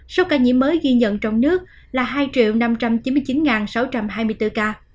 số ca nhiễm mới ghi nhận trong nước là hai năm trăm chín mươi chín sáu trăm hai mươi bốn ca